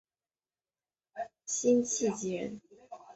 辛弃疾人。